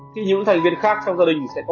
thì những thành viên khác trong gia đình sẽ có